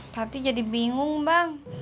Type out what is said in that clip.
tati jadi bingung bang